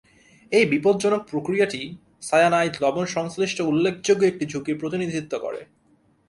এই বিপজ্জনক প্রক্রিয়াটি সায়ানাইড লবণ-সংশ্লিষ্ট উল্লেখযোগ্য একটি ঝুঁকির প্রতিনিধিত্ব করে।